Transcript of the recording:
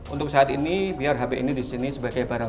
untuk saat ini biar hp ini disini sebagai barang